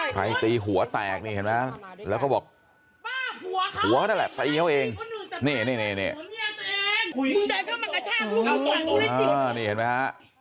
ใครตีหัวแตกนี่เห็นมั้ยแล้วก็บอกหัวเขาเนี่ยแหละตายเขาเองนี่นี่เห็นมั้ยฮะ